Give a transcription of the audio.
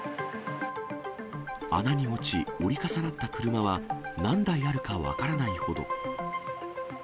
穴に落ち、折り重なった車は何台あるか分からないほど。